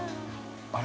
あれ？